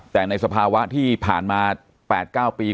แต่ในสภาวะที่ผ่านมา๘๙ปี